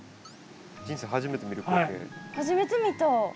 人生初めて見る光景。